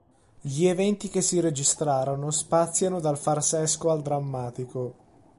Gli eventi che si registrarono spaziano dal farsesco al drammatico.